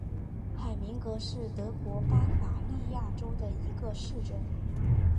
海明格是德国巴伐利亚州的一个市镇。